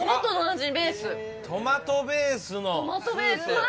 トマトベースのスープ。